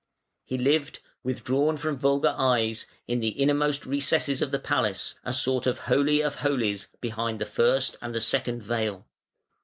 He lived, withdrawn from vulgar eyes, in the innermost recesses of the palace, a sort of Holy of Holies behind the first and the second veil.